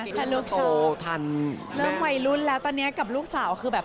ถ้าลูกโชว์ทันเริ่มวัยรุ่นแล้วตอนเนี้ยกับลูกสาวคือแบบ